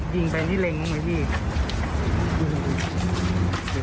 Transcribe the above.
ดู